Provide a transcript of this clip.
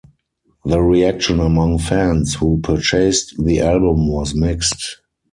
The reaction among fans who purchased the album was mixed.